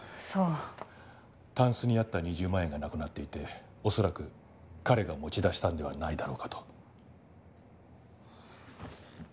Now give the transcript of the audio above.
タンスにあった２０万円がなくなっていて恐らく彼が持ち出したのではないだろうかと。